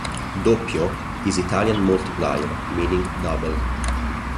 "Doppio" is Italian multiplier, meaning "double".